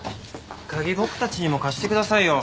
鍵僕たちにも貸してくださいよ。